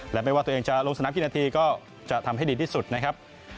และไม่ว่าตัวเองจะลงสนามกี่นาทีก็จะทำให้ดีที่สุดนะครับ